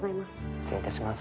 失礼いたします。